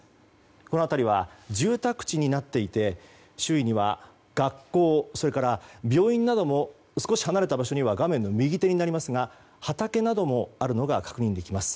この辺りは、住宅地になっていて周囲には学校それから病院なども少し離れた場所には畑などもあるのが確認できます。